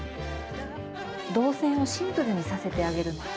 動線をシンプルにさせてあげるの。